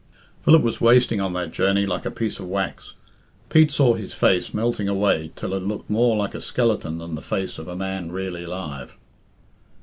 Philip was wasting on that journey like a piece of wax. Pete saw his face melting away till it looked more like a skeleton than the face of à man really alive.